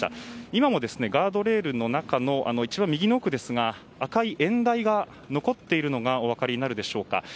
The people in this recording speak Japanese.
今もガードレールの中の一番右奥ですが赤い演台が残っているのがお分かりになるでしょうか。